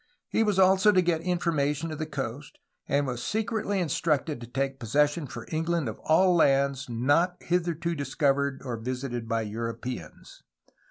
He was also to get information of the coast, and was secretly instructed to take possession for England of all lands not hitherto discovered or visited by Europeans.